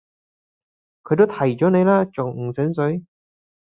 佢都提左你啦！仲唔醒水